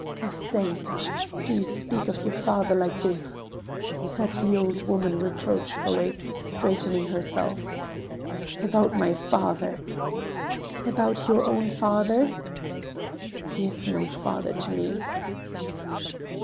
"Vasenka! Do you speak of your father like this?" said the old woman reproachfully, straightening herself. "About my father!" "About your own father?" "He is no father to me!"